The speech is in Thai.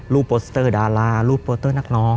โปสเตอร์ดารารูปโปรเตอร์นักร้อง